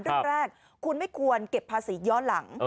เรื่องแรกคุณไม่ควรเก็บภาษีย้อนหลัง